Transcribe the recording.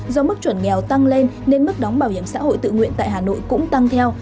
do mức chuẩn nghèo tăng lên nên mức đóng bảo hiểm xã hội tự nguyện tại hà nội cũng tăng theo